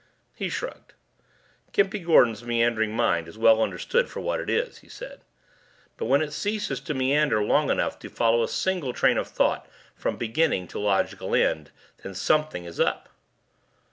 He shrugged. "Gimpy Gordon's meandering mind is well understood for what it is," he said. "But when it ceases to meander long enough to follow a single train of thought from beginning to logical end, then something is up."